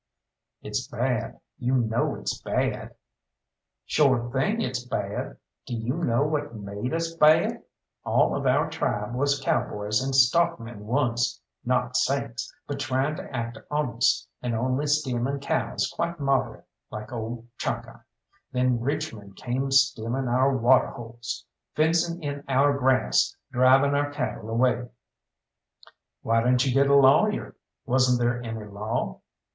"It's bad you know it's bad!" "Shore thing it's bad. Do you know what made us bad? All of our tribe was cowboys and stockmen once; not saints, but trying to act honest, and only stealing cows quite moderate, like ole Chalkeye. Then rich men came stealing our water holes, fencing in our grass, driving our cattle away." "Why didn't you get a lawyer wasn't there any law?"